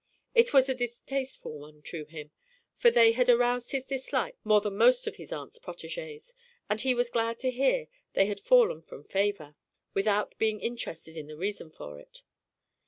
It was a distasteful one to him, for they had aroused his dislike more than most of his aunt's protégés, and he was glad to hear they had fallen from favour, without being interested in the reason for it.